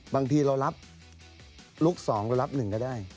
บางทีเรารับลุคสองรับหนึ่งก็ได้